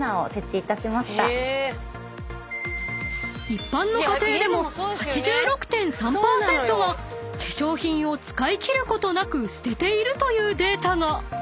［一般の家庭でも８６．３％が化粧品を使い切ることなく捨てているというデータが］